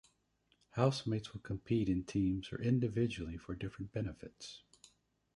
Housemates will compete in teams or individually for different benefits.